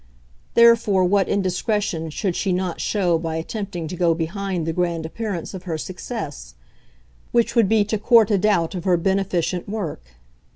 Therefore what indiscretion should she not show by attempting to go behind the grand appearance of her success? which would be to court a doubt of her beneficent work.